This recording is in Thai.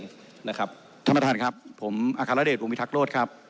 สำหรับท่านครับผมอาคารเดชอุงวิทักษ์โลศ์ครับ